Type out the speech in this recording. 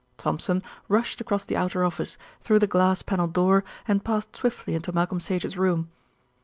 Thompson rushed across the outer office, through the glass panelled door, and passed swiftly into Malcolm Sage's room.